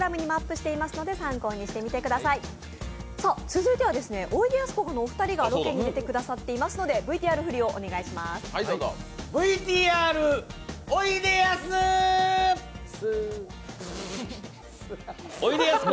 続いてはおいでやすこがのお二人がロケに出てくださっていますのでＶＴＲ振りをお願いします。